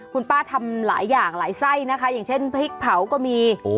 คุณป้าทำหลายอย่างหลายไส้นะคะอย่างเช่นพริกเผาก็มี